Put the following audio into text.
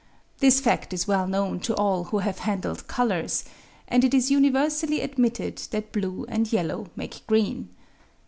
This fact is well known to all who have handled colours; and it is universally admitted that blue and yellow make green.